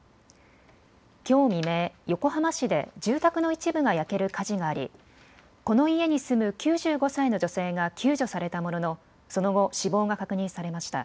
きょう未明、横浜市で住宅の一部が焼ける火事がありこの家に住む９５歳の女性が救助されたものの、その後死亡が確認されました。